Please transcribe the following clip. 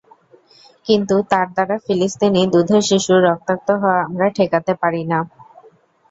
কিন্তু তার দ্বারা ফিলিস্তিনি দুধের শিশুর রক্তাক্ত হওয়া আমরা ঠেকাতে পারি না।